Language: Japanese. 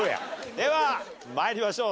では参りましょう。